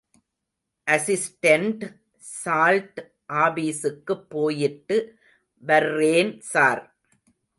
Assistant salt ஆபீசுக்குப் போயிட்டு வர்றேன் ஸார்.